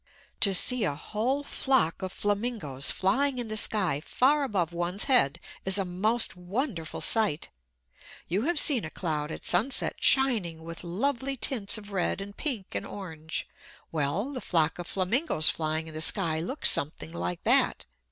To see a whole flock of flamingos flying in the sky far above one's head is a most wonderful sight. You have seen a cloud at sunset shining with lovely tints of red and pink and orange: well, the flock of flamingos flying in the sky looks something like that.